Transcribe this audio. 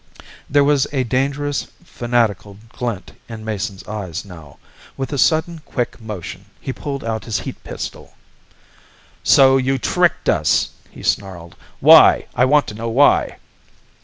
There was a dangerous fanatical glint in Mason's eyes now. With a sudden quick motion he pulled out his heat pistol. "So you tricked us!" he snarled. "Why? I want to know why."